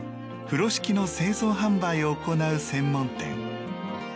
風呂敷の製造販売を行う専門店。